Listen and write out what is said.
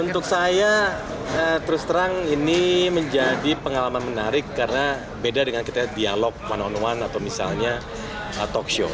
untuk saya terus terang ini menjadi pengalaman menarik karena beda dengan kita dialog one on one atau misalnya talk show